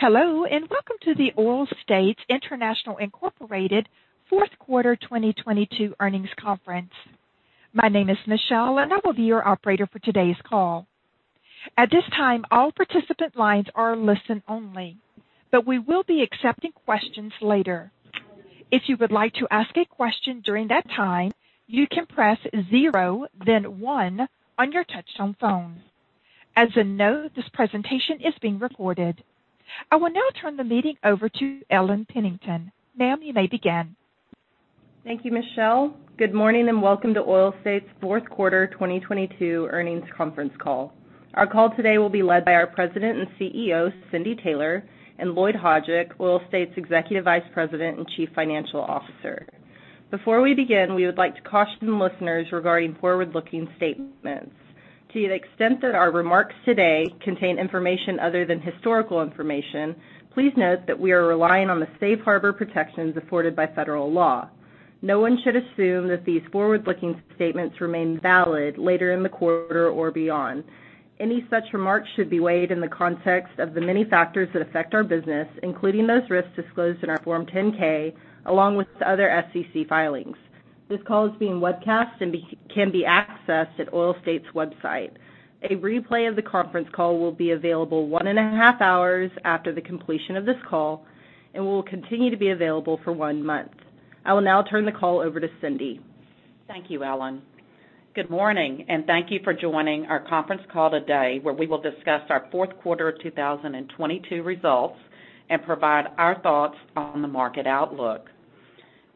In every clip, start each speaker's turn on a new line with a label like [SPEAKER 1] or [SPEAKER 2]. [SPEAKER 1] H`ello. Welcome to the Oil States International, Inc. Q4 2022 earnings conference. My name is Michelle. I will be your operator for today's call. At this time, all participant lines are listen only. We will be accepting questions later. If you would like to ask a question during that time, you can press zero then then on your touchtone phone. As a note, this presentation is being recorded. I will now turn the meeting over to Ellen Pennington. Ma'am, you may begin.
[SPEAKER 2] Thank you, Michelle. Good morning. Welcome to Oil States Q4 2022 earnings conference call. Our call today will be led by our President and CEO, Cindy Taylor, and Lloyd Hajdik, Oil States Executive Vice President and Chief Financial Officer. Before we begin, we would like to caution listeners regarding forward-looking statements. To the extent that our remarks today contain information other than historical information, please note that we are relying on the safe harbor protections afforded by federal law. No one should assume that these forward-looking statements remain valid later in the quarter or beyond. Any such remarks should be weighed in the context of the many factors that affect our business, including those risks disclosed in our Form 10-K, along with other SEC filings. This call is being webcast and can be accessed at Oil States' website. A replay of the conference call will be available one and a half hours after the completion of this call and will continue to be available for one month. I will now turn the call over to Cindy.
[SPEAKER 3] Thank you, Ellen. Good morning. Thank you for joining our conference call today where we will discuss our Q4 2022 results and provide our thoughts on the market outlook.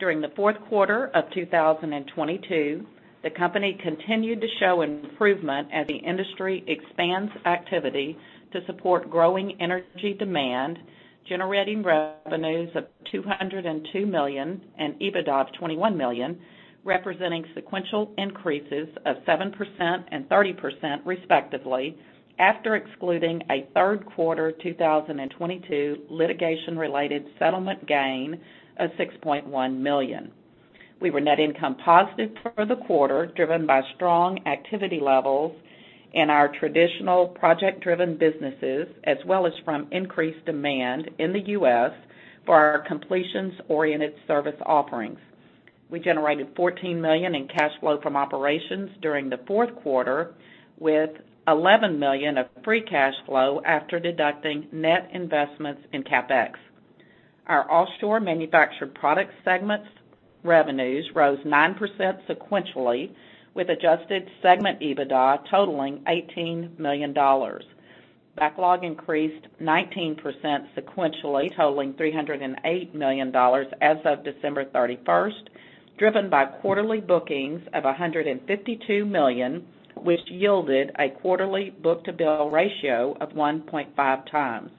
[SPEAKER 3] During the Q4 of 2022, the company continued to show improvement as the industry expands activity to support growing energy demand, generating revenues of $202 million and EBITDA of $21 million, representing sequential increases of 7% and 30% respectively, after excluding a Q3 2022 litigation-related settlement gain of $6.1 million. We were net income positive for the quarter, driven by strong activity levels in our traditional project-driven businesses, as well as from increased demand in the U.S. for our completions-oriented service offerings. We generated $14 million in cash flow from operations during the Q4, with $11 million of free cash flow after deducting net investments in CapEx. Our Offshore Manufactured Products segments revenues rose 9% sequentially, with adjusted segment EBITDA totaling $18 million. Backlog increased 19% sequentially, totaling $308 million as of December 31st, driven by quarterly bookings of $152 million, which yielded a quarterly book-to-bill ratio of 1.5x.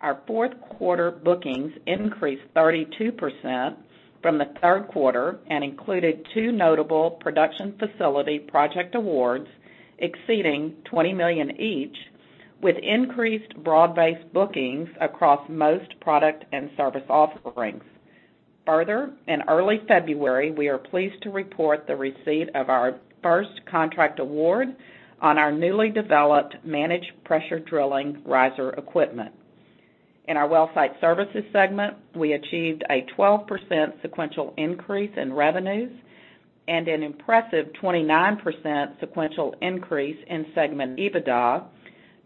[SPEAKER 3] Our Q4 bookings increased 32% from the Q3 and included two notable production facility project awards exceeding $20 million each, with increased broad-based bookings across most product and service offerings. Further, in early February, we are pleased to report the receipt of our first contract award on our newly developed managed pressure drilling riser equipment. In our Wellsite Services segment, we achieved a 12% sequential increase in revenues and an impressive 29% sequential increase in segment EBITDA,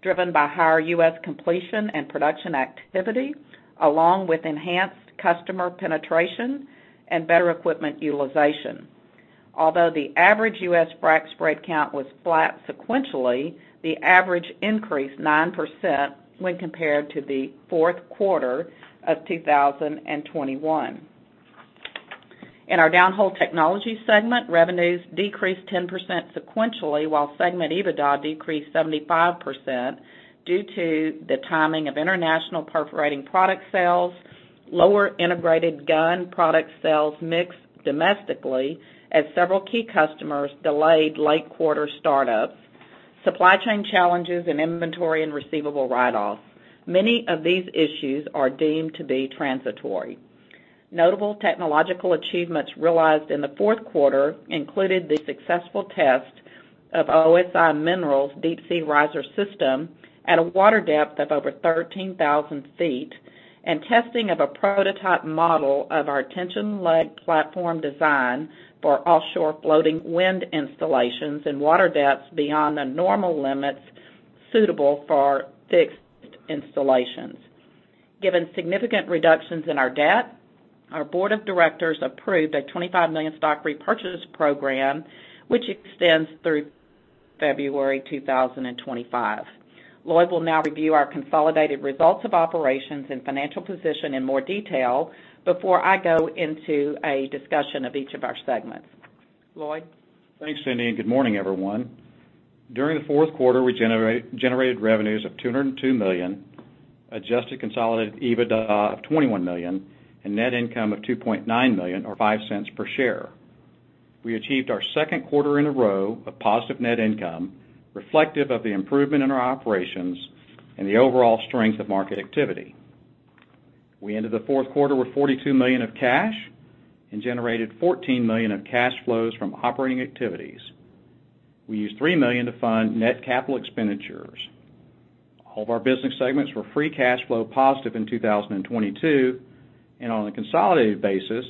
[SPEAKER 3] driven by higher U.S. completion and production activity, along with enhanced customer penetration and better equipment utilization. Although the average U.S. frac spread count was flat sequentially, the average increased 9% when compared to the Q4 of 2021. In our Downhole Technologies segment, revenues decreased 10% sequentially, while segment EBITDA decreased 75% due to the timing of international perforating product sales, lower integrated gun product sales mix domestically as several key customers delayed late-quarter startups, supply chain challenges and inventory and receivable write-offs. Many of these issues are deemed to be transitory. Notable technological achievements realized in the Q4 included the successful test of OSI Minerals' deep-sea riser system at a water depth of over 13,000 feet and testing of a prototype model of our tension leg platform design for offshore floating wind installations in water depths beyond the normal limits suitable for fixed installations. Given significant reductions in our debt, our board of directors approved a $25 million stock repurchase program, which extends through February 2025. Lloyd will now review our consolidated results of operations and financial position in more detail before I go into a discussion of each of our segments. Lloyd?
[SPEAKER 4] Thanks, Cindy, and good morning, everyone. During the Q4, we generated revenues of $202 million, adjusted consolidated EBITDA of $21 million, and net income of $2.9 million or $0.05 per share. We achieved our Q2 in a row of positive net income, reflective of the improvement in our operations and the overall strength of market activity. We ended the Q4 with $42 million of cash and generated $14 million of cash flows from operating activities. We used $3 million to fund net capital expenditures. All of our business segments were free cash flow positive in 2022, and on a consolidated basis,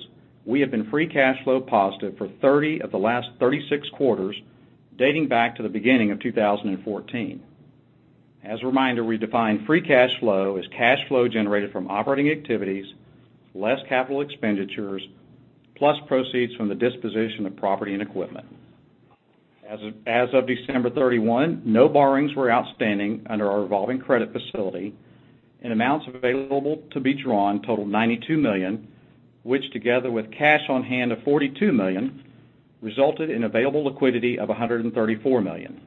[SPEAKER 4] we have been free cash flow positive for 30 of the last 36 quarters, dating back to the beginning of 2014. As a reminder, we define free cash flow as cash flow generated from operating activities, less capital expenditures, plus proceeds from the disposition of property and equipment. As of December 31, no borrowings were outstanding under our revolving credit facility and amounts available to be drawn totaled $92 million, which together with cash on hand of $42 million, resulted in available liquidity of $134 million.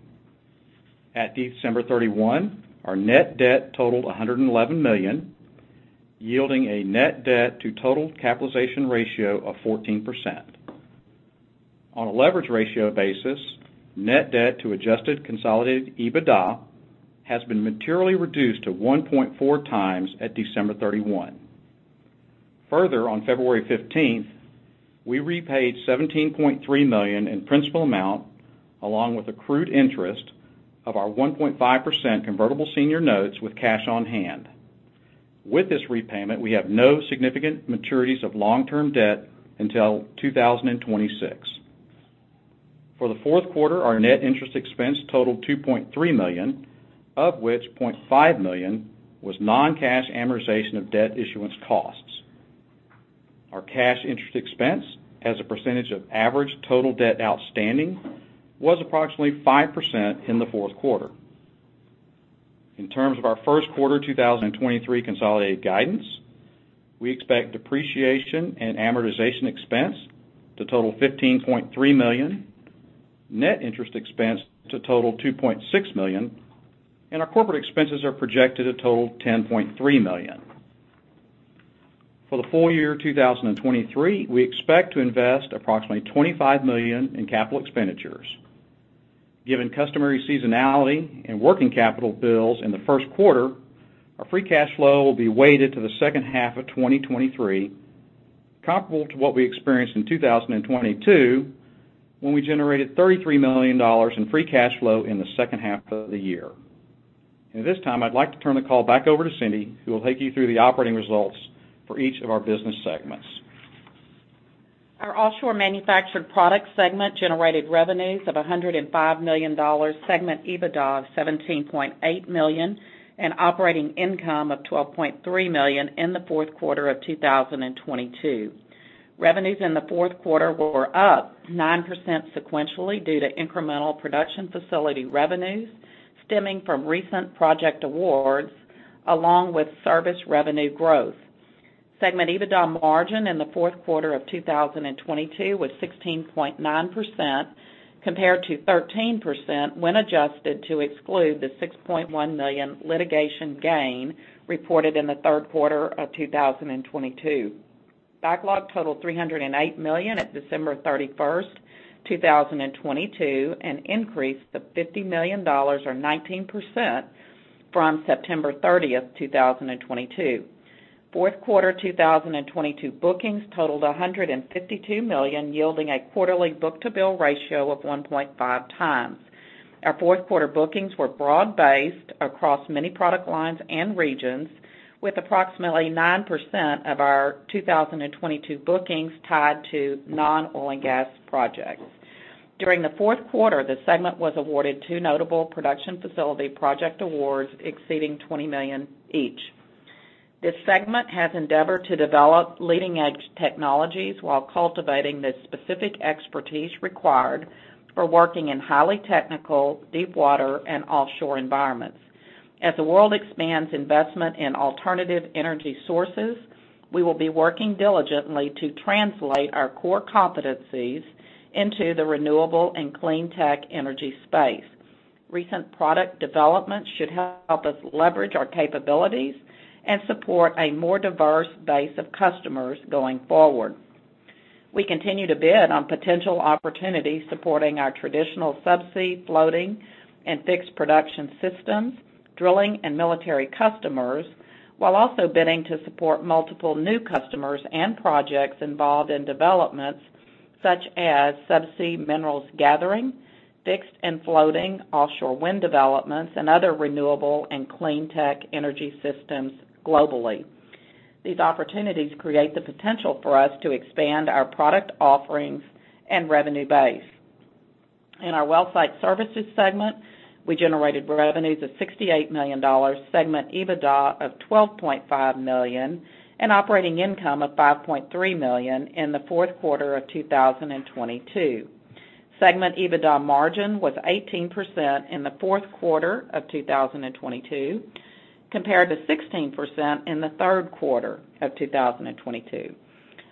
[SPEAKER 4] At December 31, our net debt totaled $111 million, yielding a net debt to total capitalization ratio of 14%. On a leverage ratio basis, net debt to adjusted consolidated EBITDA has been materially reduced to 1.4x at December 31. Further, on February 15, we repaid $17.3 million in principal amount, along with accrued interest of our 1.5% convertible senior notes with cash on hand. With this repayment, we have no significant maturities of long-term debt until 2026. For the Q4, our net interest expense totaled $2.3 million, of which $0.5 million was non-cash amortization of debt issuance costs. Our cash interest expense as a percentage of average total debt outstanding was approximately 5% in the Q4. In terms of our Q1 2023 consolidated guidance, we expect depreciation and amortization expense to total $15.3 million, net interest expense to total $2.6 million, and our corporate expenses are projected to total $10.3 million. For the full year 2023, we expect to invest approximately $25 million in capital expenditures. Given customary seasonality and working capital bills in the Q1, our free cash flow will be weighted to the H2 of 2023, comparable to what we experienced in 2022, when we generated $33 million in free cash flow in the H2 of the year. At this time, I'd like to turn the call back over to Cindy, who will take you through the operating results for each of our business segments.
[SPEAKER 3] Our Offshore Manufactured Products segment generated revenues of $105 million, segment EBITDA of $17.8 million, and operating income of $12.3 million in the Q4 of 2022. Revenues in the Q4 were up 9% sequentially due to incremental production facility revenues stemming from recent project awards, along with service revenue growth. Segment EBITDA margin in the Q4 of 2022 was 16.9% compared to 13% when adjusted to exclude the $6.1 million litigation gain reported in the Q3 of 2022. Backlog totaled $308 million at December 31st, 2022, an increase of $50 million or 19% from September 30th, 2022. Q4 2022 bookings totaled $152 million, yielding a quarterly book-to-bill ratio of 1.5x. Our Q4 bookings were broad-based across many product lines and regions, with approximately 9% of our 2022 bookings tied to non-oil and gas projects. During the Q4, the segment was awarded two notable production facility project awards exceeding $20 million each. This segment has endeavored to develop leading-edge technologies while cultivating the specific expertise required for working in highly technical deepwater and offshore environments. As the world expands investment in alternative energy sources, we will be working diligently to translate our core competencies into the renewable and clean tech energy space. Recent product developments should help us leverage our capabilities and support a more diverse base of customers going forward. We continue to bid on potential opportunities supporting our traditional subsea floating and fixed production systems, drilling and military customers, while also bidding to support multiple new customers and projects involved in developments such as subsea minerals gathering, fixed and floating offshore wind developments, and other renewable and clean tech energy systems globally. These opportunities create the potential for us to expand our product offerings and revenue base. In our Wellsite Services segment, we generated revenues of $68 million, segment EBITDA of $12.5 million, and operating income of $5.3 million in the Q4 of 2022. Segment EBITDA margin was 18% in the Q4 of 2022, compared to 16% in the Q3 of 2022.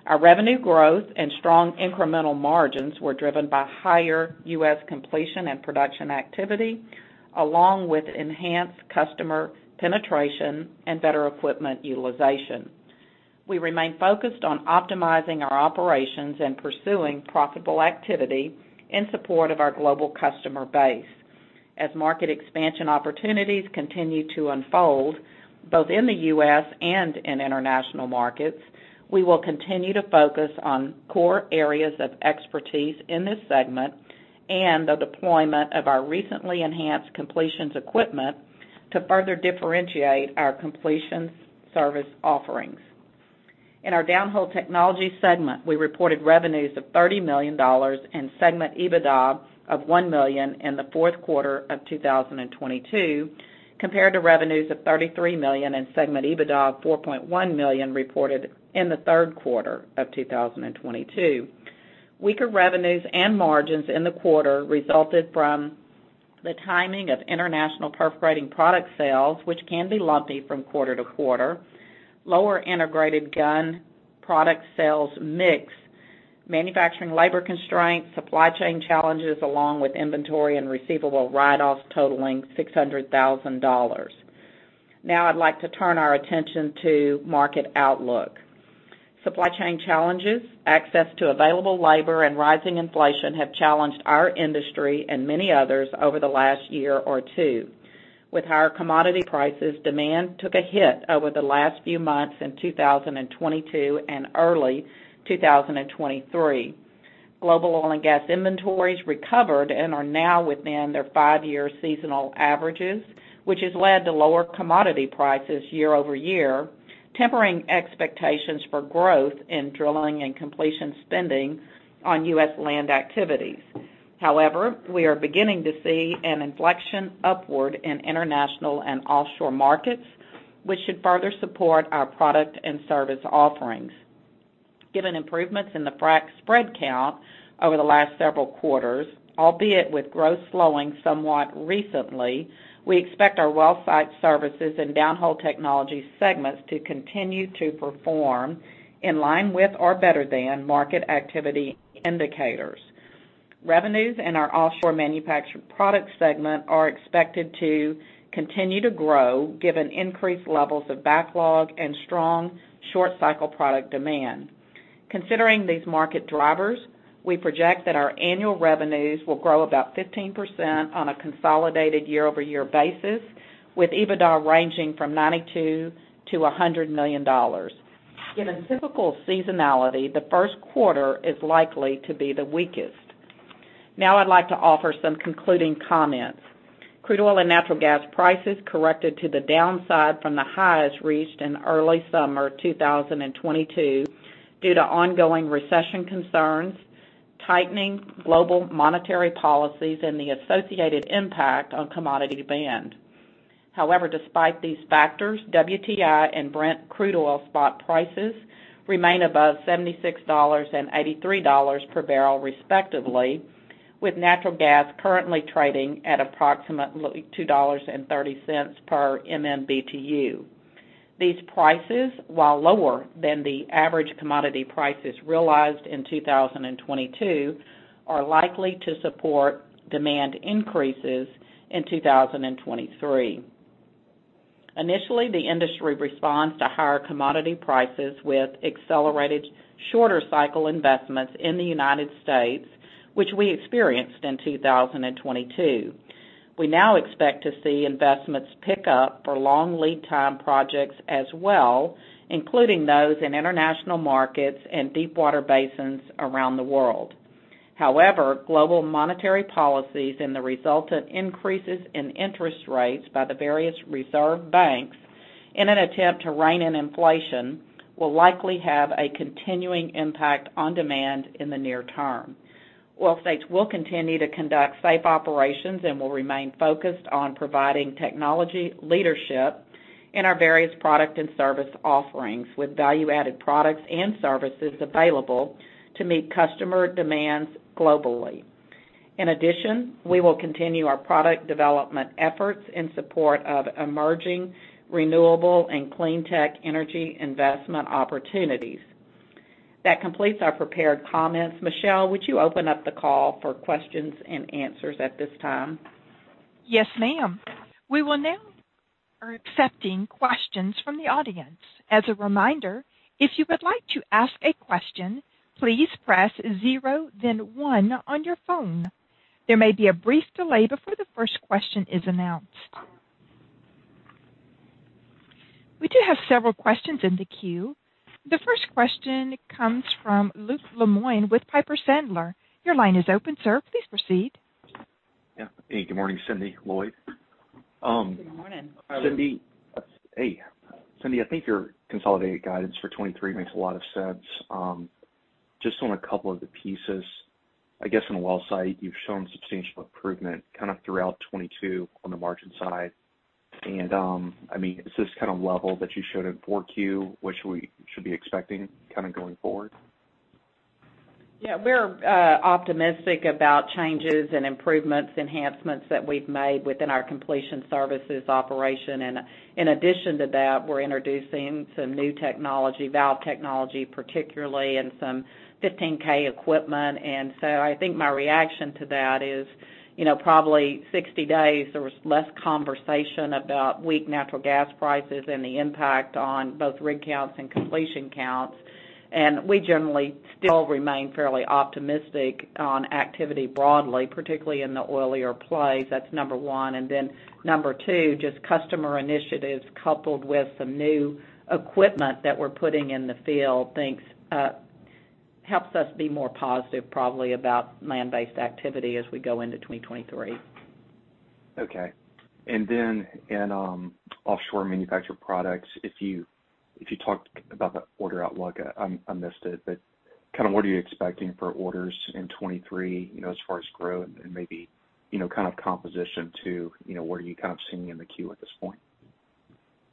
[SPEAKER 3] Our revenue growth and strong incremental margins were driven by higher U.S. completion and production activity, along with enhanced customer penetration and better equipment utilization. We remain focused on optimizing our operations and pursuing profitable activity in support of our global customer base. As market expansion opportunities continue to unfold both in the U.S. and in international markets, we will continue to focus on core areas of expertise in this segment and the deployment of our recently enhanced completions equipment to further differentiate our completions service offerings. In our Downhole Technologies segment, we reported revenues of $30 million and segment EBITDA of $1 million in the Q4 of 2022, compared to revenues of $33 million and segment EBITDA of $4.1 million reported in the Q3 of 2022. Weaker revenues and margins in the quarter resulted from the timing of international perforating product sales, which can be lumpy from quarter to quarter, lower integrated gun product sales mix, manufacturing labor constraints, supply chain challenges, along with inventory and receivable write-offs totaling $600,000. Now I'd like to turn our attention to market outlook. Supply chain challenges, access to available labor, and rising inflation have challenged our industry and many others over the last year or two. With higher commodity prices, demand took a hit over the last few months in 2022 and early 2023. Global oil and gas inventories recovered and are now within their five-year seasonal averages, which has led to lower commodity prices year-over-year, tempering expectations for growth in drilling and completion spending on U.S. land activities. We are beginning to see an inflection upward in international and offshore markets, which should further support our product and service offerings. Given improvements in the frac spread count over the last several quarters, albeit with growth slowing somewhat recently, we expect our Wellsite Services and Downhole Technologies segments to continue to perform in line with or better than market activity indicators. Revenues in our Offshore Manufactured Products segment are expected to continue to grow given increased levels of backlog and strong short cycle product demand. Considering these market drivers, we project that our annual revenues will grow about 15% on a consolidated year-over-year basis, with EBITDA ranging from $92 million-$100 million. Given typical seasonality, the Q1 is likely to be the weakest. I'd like to offer some concluding comments. Crude oil and natural gas prices corrected to the downside from the highs reached in early summer 2022 due to ongoing recession concerns, tightening global monetary policies, and the associated impact on commodity demand. Despite these factors, WTI and Brent crude oil spot prices remain above $76 and $83 per barrel respectively, with natural gas currently trading at approximately $2.30 per MMBtu. These prices, while lower than the average commodity prices realized in 2022, are likely to support demand increases in 2023. Initially, the industry responds to higher commodity prices with accelerated shorter cycle investments in the United States, which we experienced in 2022. We now expect to see investments pick up for long lead time projects as well, including those in international markets and deepwater basins around the world. Global monetary policies and the resultant increases in interest rates by the various reserve banks in an attempt to rein in inflation will likely have a continuing impact on demand in the near term. Oil States will continue to conduct safe operations and will remain focused on providing technology leadership in our various product and service offerings, with value-added products and services available to meet customer demands globally. We will continue our product development efforts in support of emerging renewable and clean tech energy investment opportunities. That completes our prepared comments. Michelle, would you open up the call for questions and answers at this time?
[SPEAKER 1] Yes, ma'am. We will now are accepting questions from the audience. As a reminder, if you would like to ask a question, please press zero, then one on your phone. There may be a brief delay before the first question is announced. We do have several questions in the queue. The first question comes from Luke Lemoine with Piper Sandler. Your line is open, sir. Please proceed.
[SPEAKER 5] Yeah. Hey, good morning, Cindy, Lloyd.
[SPEAKER 3] Good morning.
[SPEAKER 5] Hey, Cindy. I think your consolidated guidance for 2023 makes a lot of sense. Just on a couple of the pieces. I guess on the Wellsite, you've shown substantial improvement kind of throughout 2022 on the margin side. I mean, is this kind of level that you showed in Q4 what should we be expecting kind of going forward?
[SPEAKER 3] Yeah, we're optimistic about changes and improvements, enhancements that we've made within our completion services operation. In addition to that, we're introducing some new technology, valve technology particularly, and some 15K equipment. I think my reaction to that is, you know, probably 60 days there was less conversation about weak natural gas prices and the impact on both rig counts and completion counts. We generally still remain fairly optimistic on activity broadly, particularly in the oilier plays. That's number one. Number two, just customer initiatives coupled with some new equipment that we're putting in the field thinks helps us be more positive probably about land-based activity as we go into 2023.
[SPEAKER 5] Okay. Then in Offshore Manufactured Products, if you talked about the order outlook, I missed it. Kind of what are you expecting for orders in 2023, you know, as far as growth and maybe, you know, kind of composition to, you know, what are you kind of seeing in the queue at this point?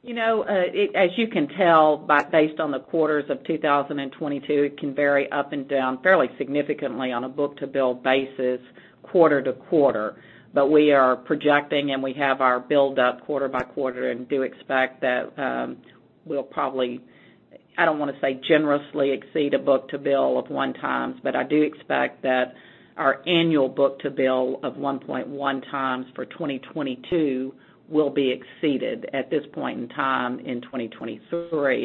[SPEAKER 3] You know, as you can tell based on the quarters of 2022, it can vary up and down fairly significantly on a book-to-bill basis, quarter to quarter. We are projecting, and we have our build up quarter by quarter and do expect that we'll probably, I don't wanna say generously exceed a book-to-bill of 1x, but I do expect that our annual book-to-bill of 1.1x for 2022 will be exceeded at this point in time in 2023.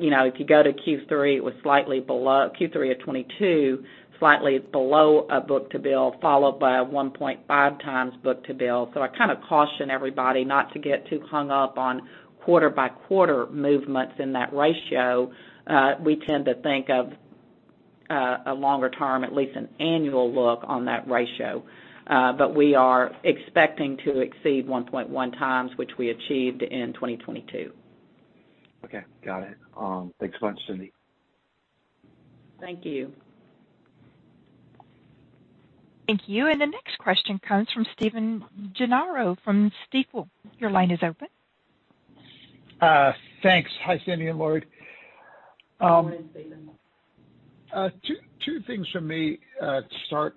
[SPEAKER 3] You know, if you go to Q3, it was slightly below Q3 of 2022, slightly below a book-to-bill, followed by a 1.5x book-to-bill. I kind of caution everybody not to get too hung up on quarter by quarter movements in that ratio. We tend to think of, a longer term, at least an annual look on that ratio. We are expecting to exceed 1.1x, which we achieved in 2022.
[SPEAKER 5] Okay. Got it. Thanks much, Cindy.
[SPEAKER 3] Thank you.
[SPEAKER 1] Thank you. The next question comes from Stephen Gengaro from Stifel. Your line is open.
[SPEAKER 6] Thanks. Hi, Cindy and Lloyd.
[SPEAKER 3] Go ahead, Stephen.
[SPEAKER 6] Two things from me to start.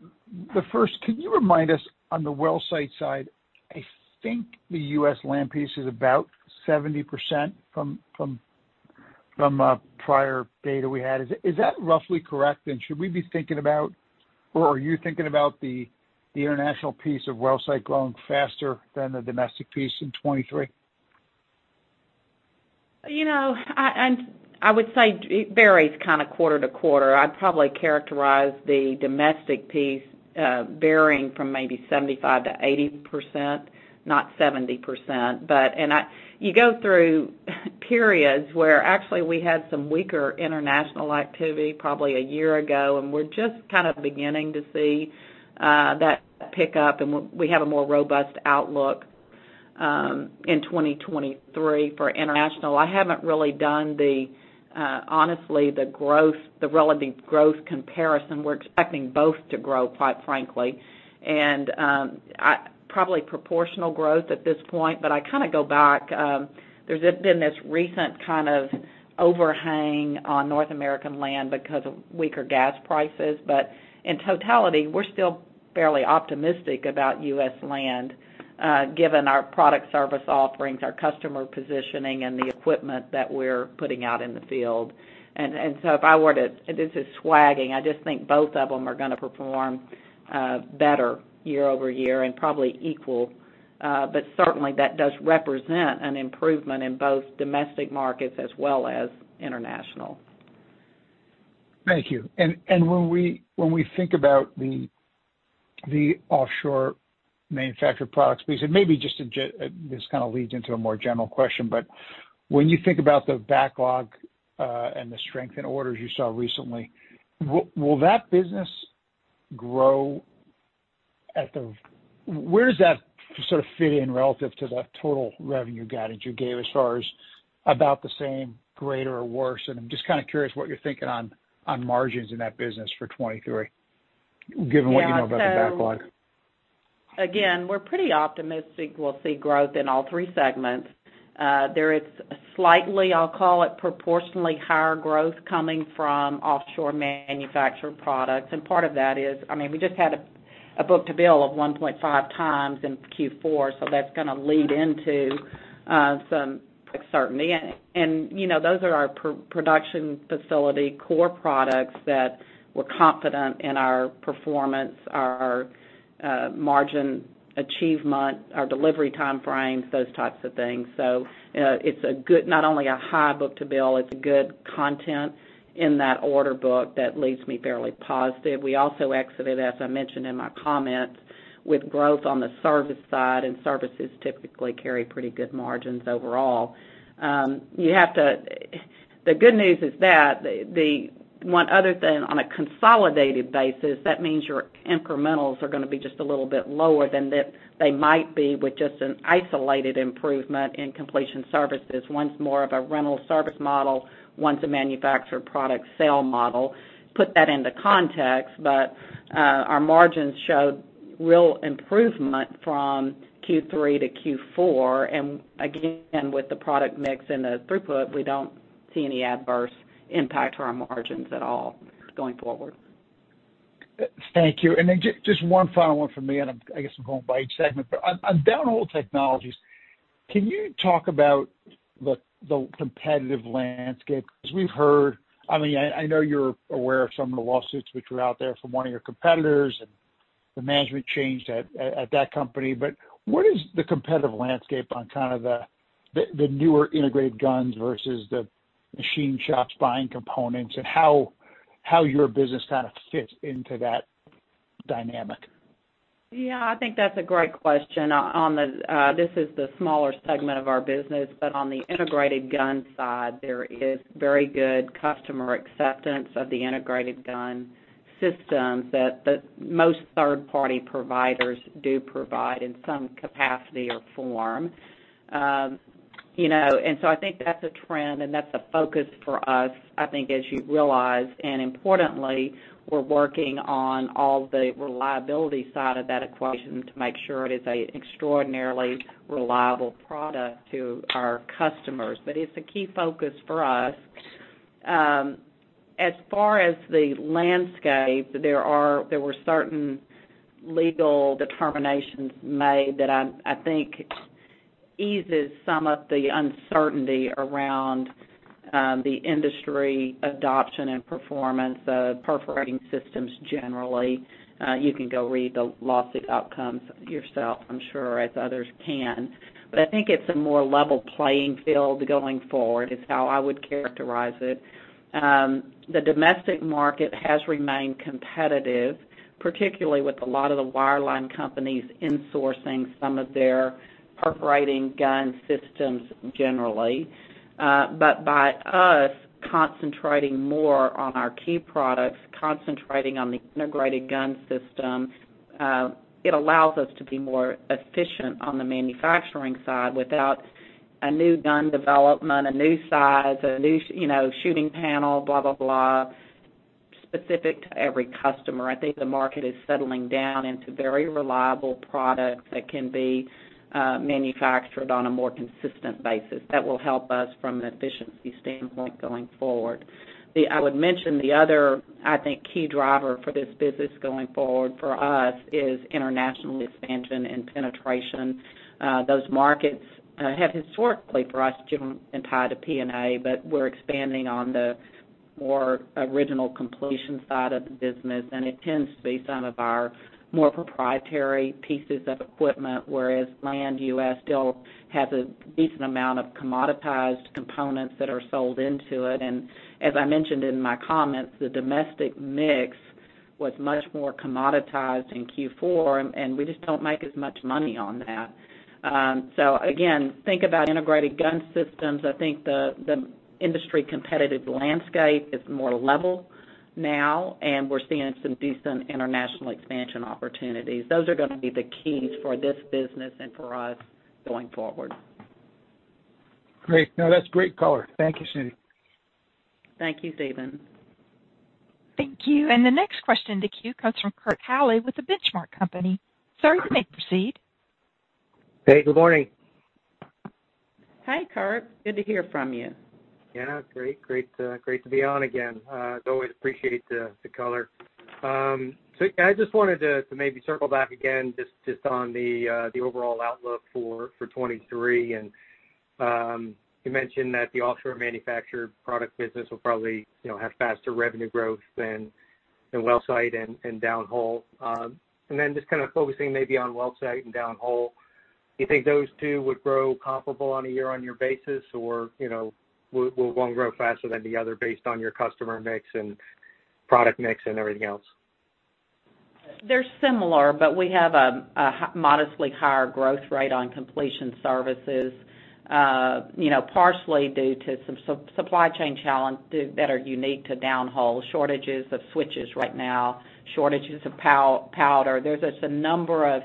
[SPEAKER 6] The first, can you remind us on the Wellsite side, I think the U.S. land piece is about 70% from prior data we had. Is that roughly correct? Should we be thinking about or are you thinking about the international piece of Wellsite growing faster than the domestic piece in 2023?
[SPEAKER 3] You know, I would say it varies kind of quarter to quarter. I'd probably characterize the domestic piece, varying from maybe 75%-80%, not 70%. You go through periods where actually we had some weaker international activity probably a year ago, and we're just kind of beginning to see that pick up and we have a more robust outlook in 2023 for international. I haven't really done the honestly, the growth, the relative growth comparison. We're expecting both to grow, quite frankly, and I probably proportional growth at this point. I kinda go back, there's been this recent kind of overhang on North American land because of weaker gas prices. In totality, we're still fairly optimistic about U.S. land, given our product service offerings, our customer positioning, and the equipment that we're putting out in the field. This is swagging, I just think both of them are gonna perform better year-over-year and probably equal. Certainly that does represent an improvement in both domestic markets as well as international.
[SPEAKER 6] Thank you. When we think about the Offshore Manufactured Products piece, maybe just a this kind of leads into a more general question. When you think about the backlog and the strength in orders you saw recently, will that business grow at the, where does that sort of fit in relative to the total revenue guidance you gave as far as about the same, greater or worse? I'm just kind of curious what you're thinking on margins in that business for 2023, given what you know about the backlog.
[SPEAKER 3] Again, we're pretty optimistic we'll see growth in all three segments. There is slightly, I'll call it proportionately higher growth coming from Offshore Manufactured Products. Part of that is, I mean, we just had a book-to-bill of 1.5x in Q4, so that's gonna lead into some certainty. You know, those are our production facility, core products that we're confident in our performance, our margin achievement, our delivery time frames, those types of things. It's a good not only a high book-to-bill, it's good content in that order book that leaves me fairly positive. We also exited, as I mentioned in my comments, with growth on the service side, and services typically carry pretty good margins overall. You have to. The good news is that one other thing, on a consolidated basis, that means your incrementals are gonna be just a little bit lower than that they might be with just an isolated improvement in completion services. One's more of a rental service model, one's a manufactured product sale model. Put that into context, but our margins showed real improvement from Q3 to Q4. Again, with the product mix and the throughput, we don't see any adverse impact to our margins at all going forward.
[SPEAKER 6] Thank you. Just one final one from me, and I guess I'm going by each segment. On Downhole Technologies, can you talk about the competitive landscape? We've heard, I mean, I know you're aware of some of the lawsuits which are out there from one of your competitors and the management change at that company. What is the competitive landscape on kind of the newer integrated guns versus the machine shops buying components and how your business kind of fits into that dynamic?
[SPEAKER 3] I think that's a great question. On the, this is the smaller segment of our business, but on the integrated gun side, there is very good customer acceptance of the integrated gun systems that the most third party providers do provide in some capacity or form. You know, I think that's a trend and that's a focus for us, I think, as you realize, and importantly, we're working on all the reliability side of that equation to make sure it is a extraordinarily reliable product to our customers. It's a key focus for us. As far as the landscape, there were certain legal determinations made that, I think eases some of the uncertainty around the industry adoption and performance of perforating systems generally. You can go read the lawsuit outcomes yourself, I'm sure, as others can. I think it's a more level playing field going forward is how I would characterize it. The domestic market has remained competitive, particularly with a lot of the wireline companies insourcing some of their perforating gun systems generally. By us concentrating more on our key products, concentrating on the integrated gun system, it allows us to be more efficient on the manufacturing side without a new gun development, a new size, a new, you know, shooting panel specific to every customer. I think the market is settling down into very reliable products that can be manufactured on a more consistent basis. That will help us from an efficiency standpoint going forward. I would mention the other, I think, key driver for this business going forward for us is international expansion and penetration. Those markets have historically for us been tied to P&A. We're expanding on the more original completion side of the business, and it tends to be some of our more proprietary pieces of equipment, whereas land U.S. still has a decent amount of commoditized components that are sold into it. As I mentioned in my comments, the domestic mix was much more commoditized in Q4, and we just don't make as much money on that. Again, think about integrated gun systems. I think the industry competitive landscape is more level now. We're seeing some decent international expansion opportunities. Those are gonna be the keys for this business and for us going forward.
[SPEAKER 6] Great. No, that's great color. Thank you, Cindy.
[SPEAKER 3] Thank you, Stephen.
[SPEAKER 1] Thank you. The next question in the queue comes from Kurt Hallead with The Benchmark Company. Sir, you may proceed.
[SPEAKER 7] Hey, good morning.
[SPEAKER 3] Hi, Kurt. Good to hear from you.
[SPEAKER 7] Yeah. Great to be on again. As always, appreciate the color. I just wanted to maybe circle back again just on the overall outlook for 2023. You mentioned that the Offshore Manufactured Products business will probably, you know, have faster revenue growth than Wellsite and Downhole. Then just kind of focusing maybe on Wellsite and Downhole, you think those two would grow comparable on a year-on-year basis, or, you know, will one grow faster than the other based on your customer mix and product mix and everything else?
[SPEAKER 3] They're similar, but we have a modestly higher growth rate on completion services, you know, partially due to some supply chain challenge that are unique to Downhole. Shortages of switches right now, shortages of powder. There's just a number of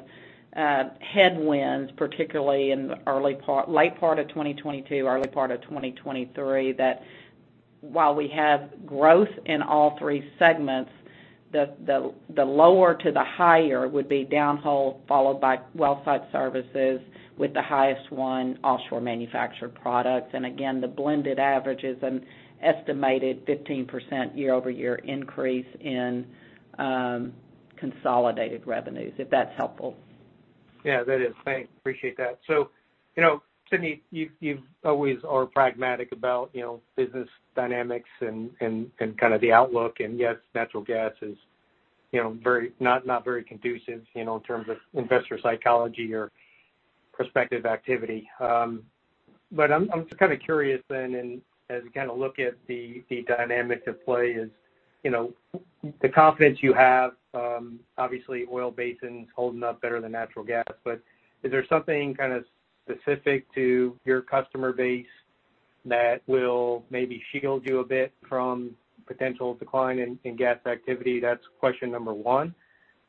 [SPEAKER 3] headwinds, particularly in the late part of 2022, early part of 2023, that while we have growth in all three segments, the lower to the higher would be Downhole, followed by Wellsite Services, with the highest one Offshore Manufactured Products. Again, the blended average is an estimated 15% year-over-year increase in consolidated revenues, if that's helpful.
[SPEAKER 7] Yeah, that is. Thank you. Appreciate that. You know, Cindy, you've always are pragmatic about, you know, business dynamics and kind of the outlook. Yes, natural gas is, you know, not very conducive, you know, in terms of investor psychology or prospective activity. I'm just kind of curious then and as you kind of look at the dynamics at play is, you know, the confidence you have, obviously oil basin's holding up better than natural gas. Is there something kind of specific to your customer base that will maybe shield you a bit from potential decline in gas activity? That's question one.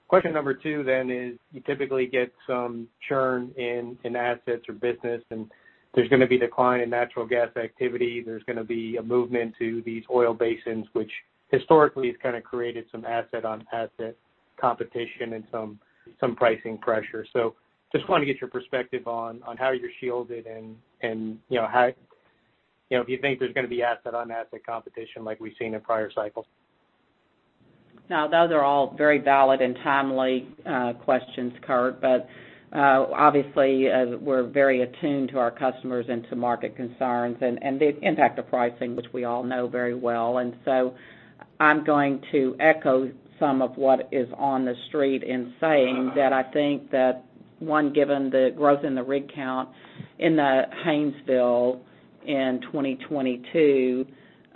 [SPEAKER 7] Question two then is, you typically get some churn in assets or business, and there's gonna be decline in natural gas activity. There's gonna be a movement to these oil basins, which historically has kind of created some asset-on-asset competition and some pricing pressure. Just want to get your perspective on how you're shielded and, you know, how if you think there's gonna be asset-on-asset competition like we've seen in prior cycles?
[SPEAKER 3] No, those are all very valid and timely questions, Kurt. Obviously, as we're very attuned to our customers and to market concerns and the impact of pricing, which we all know very well. I'm going to echo some of what is on the street in saying that I think that, one, given the growth in the rig count in the Haynesville in 2022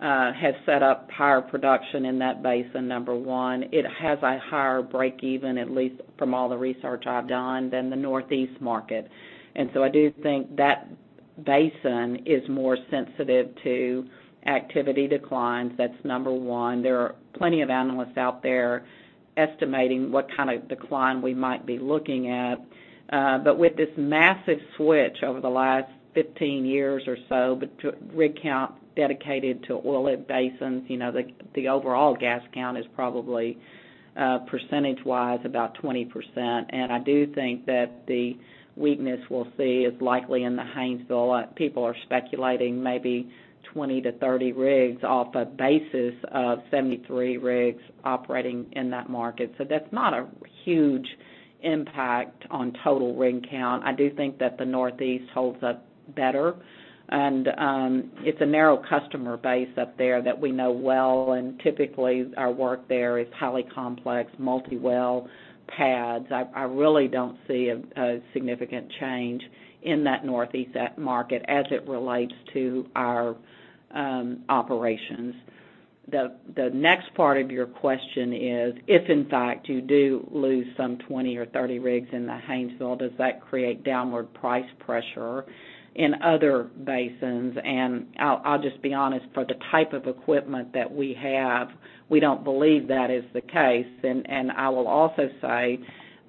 [SPEAKER 3] has set up higher production in that basin, number one. It has a higher break even, at least from all the research I've done, than the Northeast market. I do think that basin is more sensitive to activity declines. That's number one. There are plenty of analysts out there estimating what kind of decline we might be looking at. But with this massive switch over the last 15 years or so, rig count dedicated to oil in basins, you know, the overall gas count is probably percentage-wise about 20%. I do think that the weakness we'll see is likely in the Haynesville. People are speculating maybe 20-30 rigs off a basis of 73 rigs operating in that market. That's not a huge impact on total rig count. I do think that the Northeast holds up better. It's a narrow customer base up there that we know well, and typically our work there is highly complex, multi-well pads. I really don't see a significant change in that Northeast market as it relates to our operations. The next part of your question is, if in fact you do lose some 20 or 30 rigs in the Haynesville, does that create downward price pressure in other basins? I'll just be honest, for the type of equipment that we have, we don't believe that is the case. I will also say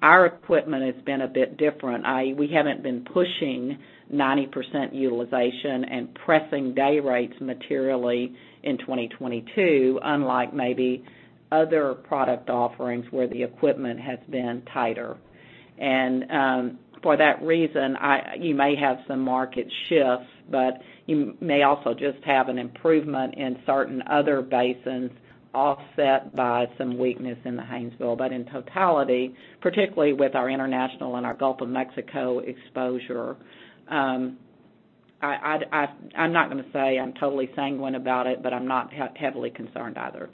[SPEAKER 3] our equipment has been a bit different, i.e., we haven't been pushing 90% utilization and pressing day rates materially in 2022, unlike maybe other product offerings where the equipment has been tighter. For that reason, you may have some market shifts, but you may also just have an improvement in certain other basins offset by some weakness in the Haynesville. In totality, particularly with our international and our Gulf of Mexico exposure, I'm not gonna say I'm totally sanguine about it, but I'm not heavily concerned either.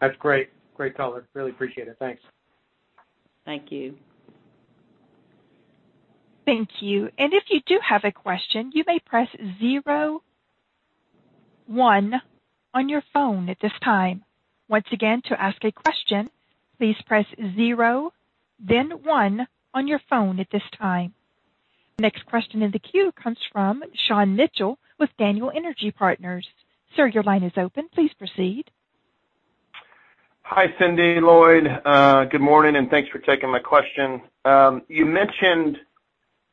[SPEAKER 7] That's great. Great color. Really appreciate it. Thanks.
[SPEAKER 3] Thank you.
[SPEAKER 1] Thank you. If you do have a question, you may press zero one on your phone at this time. Once again, to ask a question, please press zero then one on your phone at this time. Next question in the queue comes from Sean Mitchell with Daniel Energy Partners. Sir, your line is open. Please proceed.
[SPEAKER 8] Hi, Cindy, Lloyd. Good morning. Thanks for taking my question. You mentioned,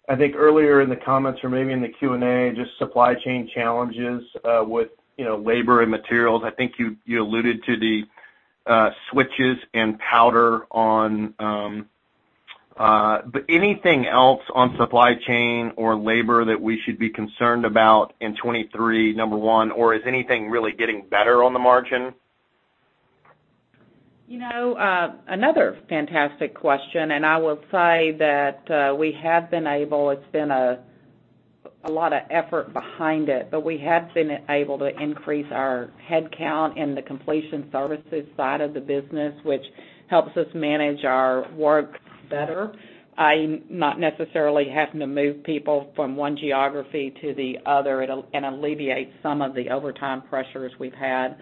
[SPEAKER 8] I think earlier in the comments or maybe in the Q&A, just supply chain challenges with, you know, labor and materials. I think you alluded to the switches in powder on. Anything else on supply chain or labor that we should be concerned about in 23, number one, or is anything really getting better on the margin?
[SPEAKER 3] You know, another fantastic question, and I will say that we have been able. It's been a lot of effort behind it, but we have been able to increase our headcount in the completion services side of the business, which helps us manage our work better, i.e., not necessarily having to move people from one geography to the other. It alleviates some of the overtime pressures we've had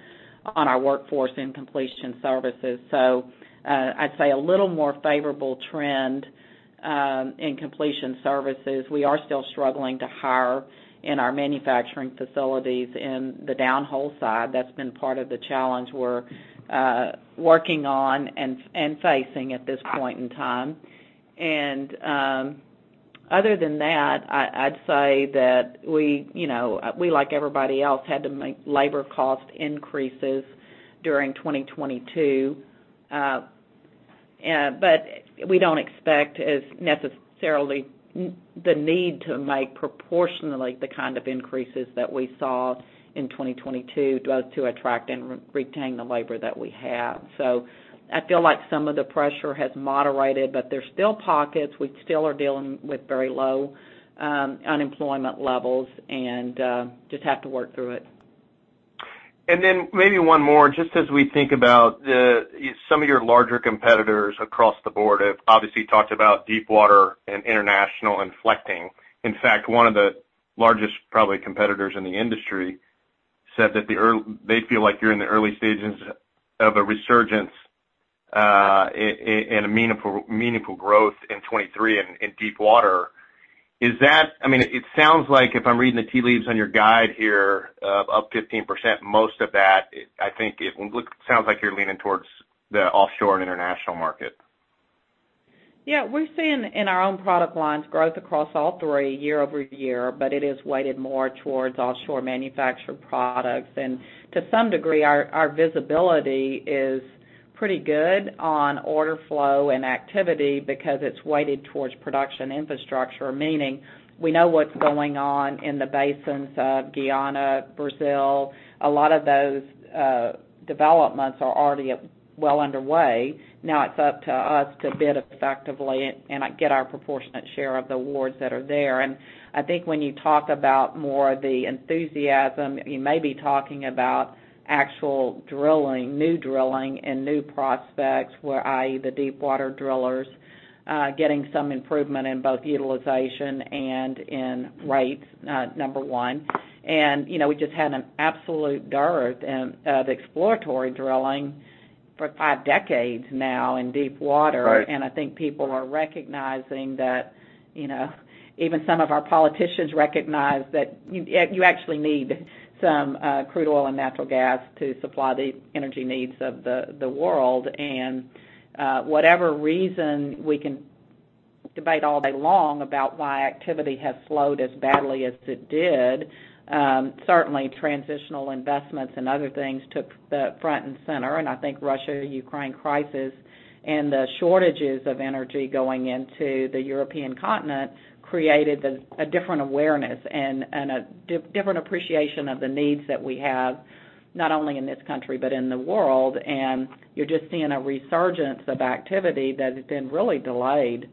[SPEAKER 3] on our workforce in completion services. I'd say a little more favorable trend in completion services. We are still struggling to hire in our manufacturing facilities in the downhole side. That's been part of the challenge we're working on and facing at this point in time. Other than that, I'd say that we, you know, we, like everybody else, had to make labor cost increases during 2022. We don't expect as necessarily the need to make proportionally the kind of increases that we saw in 2022 both to attract and retain the labor that we have. I feel like some of the pressure has moderated, but there's still pockets. We still are dealing with very low unemployment levels and just have to work through it.
[SPEAKER 8] Maybe one more. Just as we think about the, some of your larger competitors across the board have obviously talked about deepwater and international inflecting. In fact, one of the largest, probably competitors in the industry said that they feel like you're in the early stages of a resurgence, in a meaningful growth in 23 in deepwater. Is that, I mean, it sounds like if I'm reading the tea leaves on your guide here of up 15%, most of that, I think it sounds like you're leaning towards the offshore and international market.
[SPEAKER 3] Yeah. We're seeing in our own product lines growth across all three year-over-year, but it is weighted more towards Offshore Manufactured Products. To some degree, our visibility is pretty good on order flow and activity because it's weighted towards production infrastructure, meaning we know what's going on in the basins of Guyana, Brazil. A lot of those developments are already well underway. Now it's up to us to bid effectively and get our proportionate share of the awards that are there. I think when you talk about more of the enthusiasm, you may be talking about actual drilling, new drilling and new prospects, where, i.e., the deepwater drillers, getting some improvement in both utilization and in rates, number one. You know, we just had an absolute dearth in the exploratory drilling for five decades now in deepwater.
[SPEAKER 8] Right.
[SPEAKER 3] I think people are recognizing that, you know, even some of our politicians recognize that you actually need some crude oil and natural gas to supply the energy needs of the world. Whatever reason we can debate all day long about why activity has slowed as badly as it did. Certainly transitional investments and other things took the front and center, and I think Russia, Ukraine crisis and the shortages of energy going into the European continent created a different awareness and a different appreciation of the needs that we have, not only in this country but in the world. You're just seeing a resurgence of activity that had been really delayed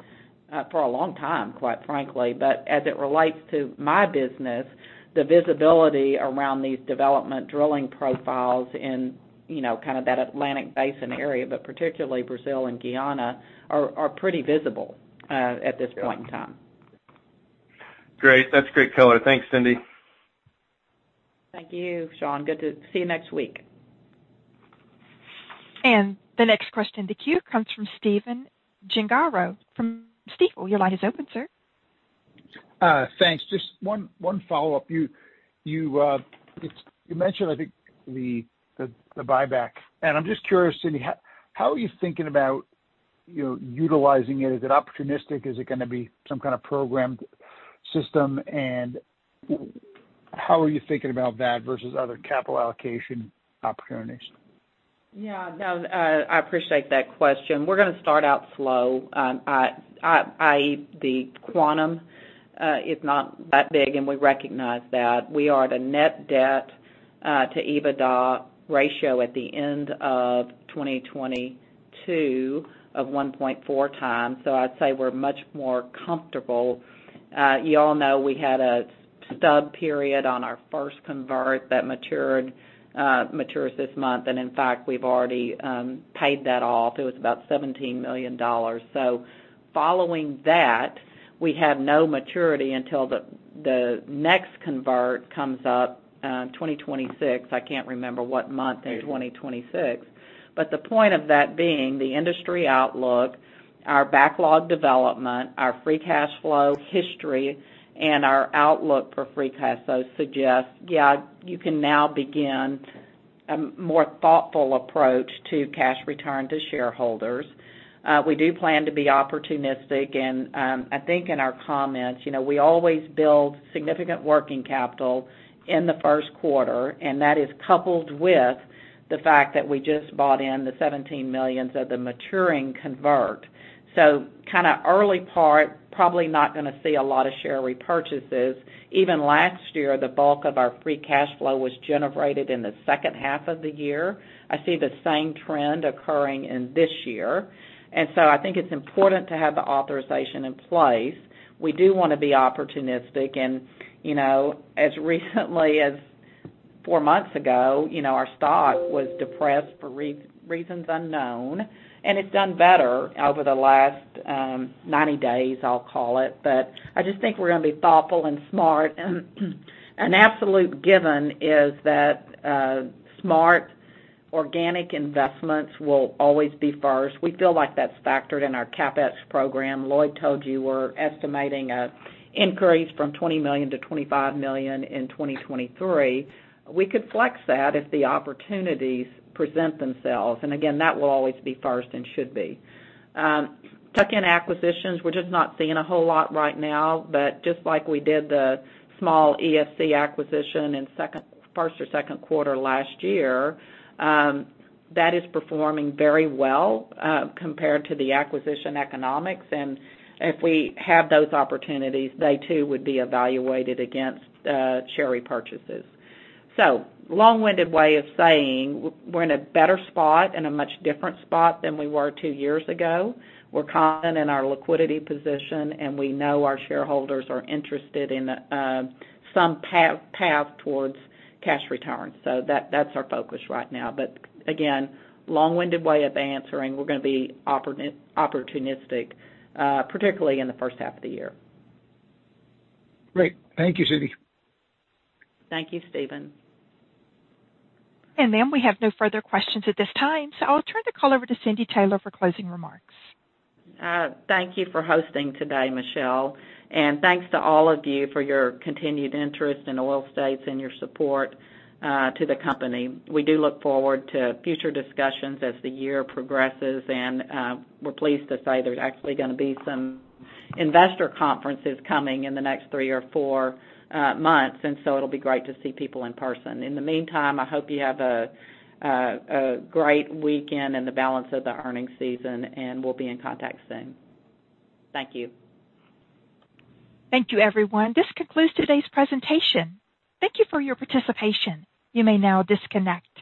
[SPEAKER 3] for a long time, quite frankly. As it relates to my business, the visibility around these development drilling profiles in, you know, kind of that Atlantic Basin area, but particularly Brazil and Guyana, are pretty visible at this point in time.
[SPEAKER 8] Great. That's great color. Thanks, Cindy.
[SPEAKER 3] Thank you, Sean. Good to see you next week.
[SPEAKER 1] The next question in the queue comes from Stephen Gengaro from Stifel. Your line is open, sir.
[SPEAKER 6] Thanks. Just one follow-up. You mentioned, I think the buyback, and I'm just curious, Cindy, how are you thinking about, you know, utilizing it? Is it opportunistic? Is it gonna be some kind of programmed system? How are you thinking about that versus other capital allocation opportunities?
[SPEAKER 3] Yeah. No, I appreciate that question. We're gonna start out slow, i.e., the quantum is not that big, and we recognize that. We are at a net debt to EBITDA ratio at the end of 2022 of 1.4x. I'd say we're much more comfortable. You all know we had a stub period on our first convert that matured, matures this month. In fact, we've already paid that off. It was about $17 million. Following that, we have no maturity until the next convert comes up in 2026. I can't remember what month in 2026. The point of that being the industry outlook, our backlog development, our free cash flow history, and our outlook for free cash flow suggests, you can now begin a more thoughtful approach to cash return to shareholders. We do plan to be opportunistic. I think in our comments, you know, we always build significant working capital in the Q1, and that is coupled with the fact that we just bought in the $17 million of the maturing convert. Kind of early part, probably not gonna see a lot of share repurchases. Even last year, the bulk of our free cash flow was generated in the H2 of the year. I see the same trend occurring in this year. I think it's important to have the authorization in place. We do wanna be opportunistic, you know, as recently as four months ago, you know, our stock was depressed for reasons unknown, and it's done better over the last 90 days, I'll call it. I just think we're gonna be thoughtful and smart. An absolute given is that smart organic investments will always be first. We feel like that's factored in our CapEx program. Lloyd told you we're estimating a increase from $20 million-$25 million in 2023. We could flex that if the opportunities present themselves. Again, that will always be first and should be. Tuck-in acquisitions, we're just not seeing a whole lot right now, but just like we did the small EFC acquisition in Q1 or Q2 last year, that is performing very well compared to the acquisition economics. If we have those opportunities, they too would be evaluated against share repurchases. Long-winded way of saying we're in a better spot and a much different spot than we were two years ago. We're confident in our liquidity position, and we know our shareholders are interested in some path towards cash returns. That, that's our focus right now. Again, long-winded way of answering, we're gonna be opportunistic, particularly in the H1 of the year.
[SPEAKER 6] Great. Thank you, Cindy.
[SPEAKER 3] Thank you, Stephen.
[SPEAKER 1] Ma'am, we have no further questions at this time, so I'll turn the call over to Cindy Taylor for closing remarks.
[SPEAKER 3] Thank you for hosting today, Michelle. Thanks to all of you for your continued interest in Oil States and your support to the company. We do look forward to future discussions as the year progresses, we're pleased to say there's actually gonna be some investor conferences coming in the next three or four months. It'll be great to see people in person. In the meantime, I hope you have a great weekend and the balance of the earnings season, we'll be in contact soon. Thank you.
[SPEAKER 1] Thank you, everyone. This concludes today's presentation. Thank you for your participation. You may now disconnect.